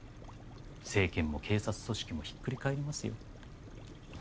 政権も警察組織もひっくり返りますよ。